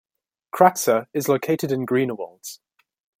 Kratzer is located in Greenawalds.